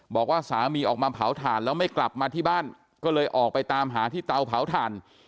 บอกว่าสามีออกมาเผาถ่านแล้วไม่กลับมาที่บ้านก็เลยออกไปตามหาที่เตาเผาถ่าน